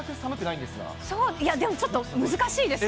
いや、でもちょっと難しいですよ。